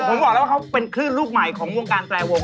ผมบอกแล้วว่าเขาเป็นคลื่นลูกใหม่ของวงการแปรวง